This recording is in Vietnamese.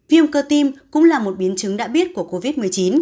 viêm cơ tim cũng là một biến chứng đã biết của covid một mươi chín